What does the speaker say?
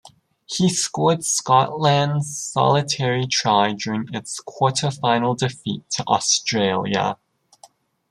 He scored Scotland's solitary try during its quarter-final defeat to Australia.